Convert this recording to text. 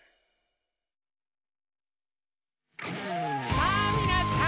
さぁみなさん！